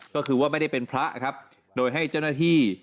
ก็คือว่าไม่ได้เป็นพระครับโดยให้เจ้าหน้าที่